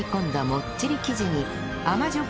もっちり生地に甘じょ